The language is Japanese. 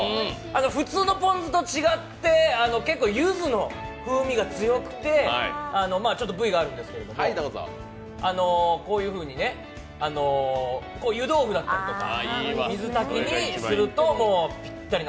普通のポン酢と違って、結構ゆずの風味が強くてＶがあるんですけど、こういうふうに湯豆腐だったりとか水炊きにするとぴったりな。